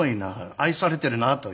愛されているな」という。